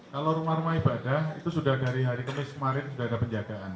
kalau rumah rumah ibadah itu sudah dari hari kemis kemarin sudah ada penjagaan